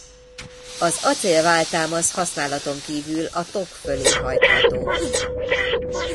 Az acél válltámasz használaton kívül a tok fölé hajtható.